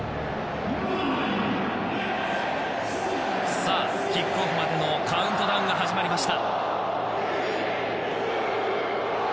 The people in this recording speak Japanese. さあキックオフまでのカウントダウンが始まりました。